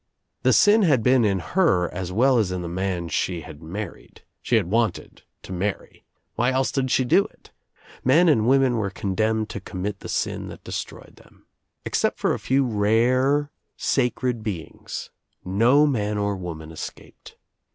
The sin had been In her as well as i the 1 she 26o THE TRIUMPH OF THE EGG bad married. She had wanted to marry. Why else did she do it? Men and women were condemned to commit the sin that destroyed them. Except for a few rare sacred beings no man or woman escaped.